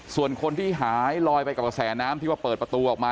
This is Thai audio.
ส่วนคนที่หายลอยไปกับกระแสน้ำที่ว่าเปิดประตูออกมา